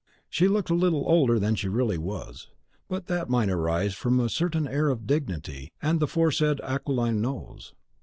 She looked a little older than she really was; but that might arise from a certain air of dignity and the aforesaid aquiline nose.